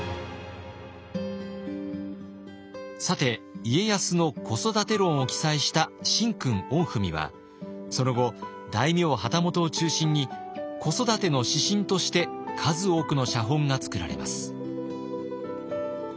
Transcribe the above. さて家康の子育て論を記載した「神君御文」はその後大名旗本を中心に子育ての指針として数多くの写本が作られます。